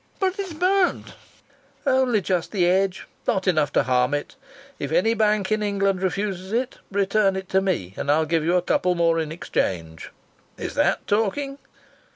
"But it's burnt!" "Only just the edge. Not enough to harm it. If any bank in England refuses it, return it to me and I'll give you a couple more in exchange. Is that talking?"